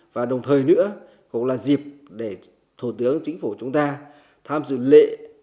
và đồng thời nữa cũng là dịp để thủ tướng chính phủ chúng ta tham dự lễ